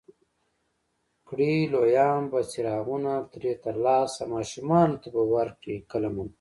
کړي لویان به څراغونه ترې ترلاسه، ماشومانو ته به ورکړي قلمونه